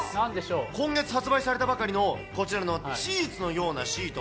今月発売されたばかりの、こちらのチーズのようなシート。